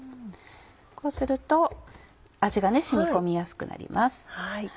こうすると味が染み込みやすくなります。